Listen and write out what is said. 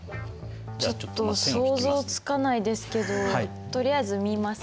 ちょっと想像つかないですけどとりあえず見ましょうか。